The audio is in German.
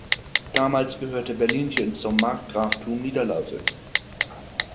Damals gehörte Berlinchen zum Markgraftum Niederlausitz.